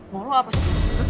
mau lo apa sih